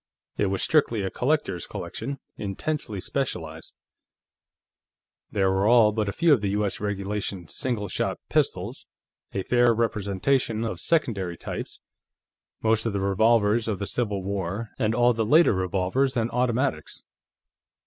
It was strictly a collector's collection, intensely specialized. There were all but a few of the U.S. regulation single shot pistols, a fair representation of secondary types, most of the revolvers of the Civil War, and all the later revolvers and automatics.